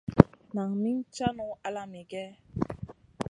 Nan min caŋu ala migè?